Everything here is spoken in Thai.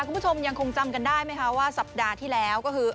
คุณผู้ชมยังคงจำกันได้ไหมคะว่าสัปดาห์ที่แล้วก็คือ